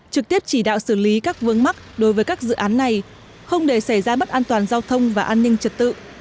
trực tiếp chỉ đạo xử lý các vương mắc đối với các dự án này không để xảy ra bất an toàn giao thông và an ninh trật tự